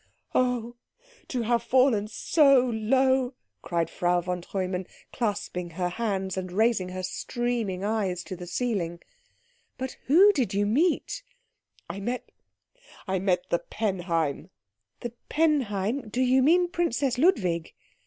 "Oh, to have fallen so low!" cried Frau von Treumann, clasping her hands, and raising her streaming eyes to the ceiling. "But who did you meet?" "I met I met the Penheim." "The Penheim? Do you mean Princess Ludwig?"